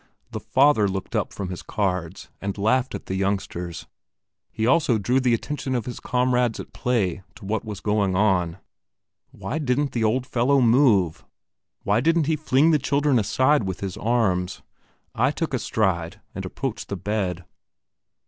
The father looked up from his cards, and laughed at the youngsters; he also drew the attention of his comrades at play to what was going on. Why didn't the old fellow move? Why didn't he fling the children aside with his arms? I took a stride, and approached the bed.